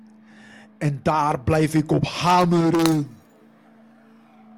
En daar blijf ik op hameren.